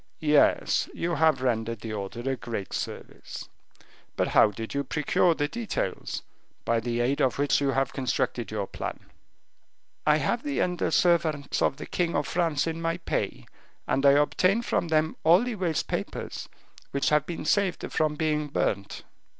"Yes, you have rendered the order a great service. But how did you procure the details, by the aid of which you have constructed your plan?" "I have the under servants of the king of France in my pay, and I obtain from them all the waste papers, which have been saved from being burnt."